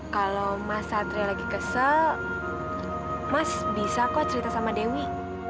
kalau mas satria lagi kesel mas bisa kok cerita sama dewi